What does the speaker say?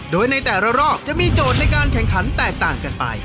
โดยในแต่ละรอบจะมีโจทย์ในการแข่งขันแตกต่างกันไป